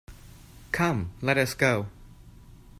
Come, let us go!